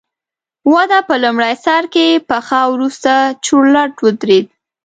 وده په لومړي سر کې پڅه او وروسته چورلټ ودرېده